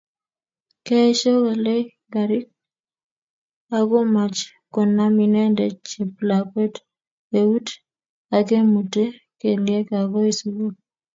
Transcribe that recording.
Kiesio kolany garit akomach konam inendet cheplakwet eut akemute kelyek agoi sukul